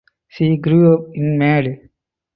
She grew up in Made.